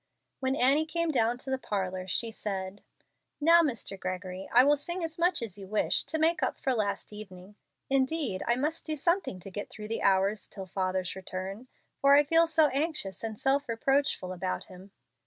When Annie came down to the parlor she said, "Now, Mr. Gregory, I will sing as much as you wish, to make up for last evening. Indeed I must do something to get through the hours till father's return, for I feel so anxious and self reproachful about him."